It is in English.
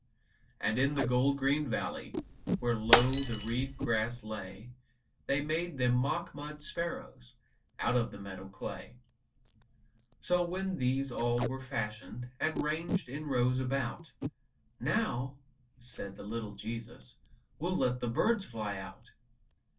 And in the gold green valley, Where low the reed grass lay, They made them mock mud sparrows Out of the meadow clay. So, when these all were fashioned, And ranged in rows about, "Now," said the little Jesus, "We'll let the birds fly out."